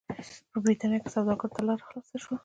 په برېټانیا کې سوداګرو ته لار خلاصه شوه.